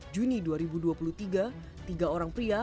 juni dua ribu dua puluh tiga tiga orang pria